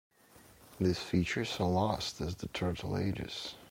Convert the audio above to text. These features are lost as the turtle ages.